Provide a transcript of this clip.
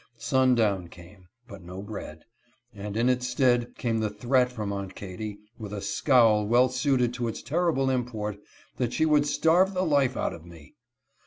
Sundown came, but no bread ; and in its stead came the threat from Aunt Katy, with a scowl well suited to its terrible import, that she would starve the life out of me.